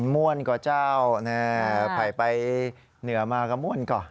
ม่วนกว่าเจ้าไผ่ไปเหนือมาก็ม่วนก่อน